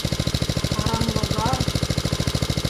Арамлогар!